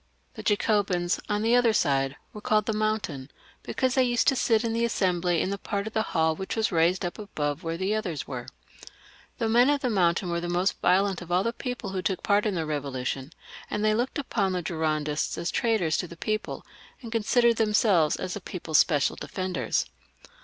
Jlie Jacobins, on the other side, were called the Moun tain, because they used to sit in the Assembly in a part of the hall which was raised up above where the others were. The men of the Mountain were the most violent of all the people who took part in the Eevolution, and they looked upon the Girondists as traitors to the people, and consi dered themselves as the people's special defenders.